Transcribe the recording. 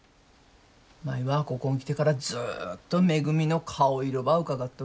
舞はここん来てからずっとめぐみの顔色ばうかがっとる。